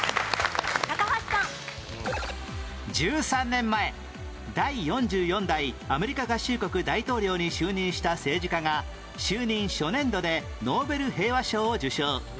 １３年前第４４代アメリカ合衆国大統領に就任した政治家が就任初年度でノーベル平和賞を受賞